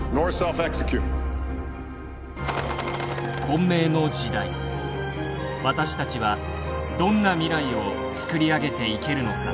混迷の時代私たちはどんな未来を作り上げていけるのか。